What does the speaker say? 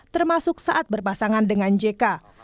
termasuk saat berpasangan dengan jk